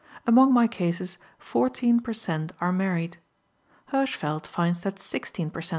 Among my cases 14 per cent. are married. Hirschfeld finds that 16 per cent.